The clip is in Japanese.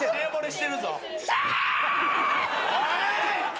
おい！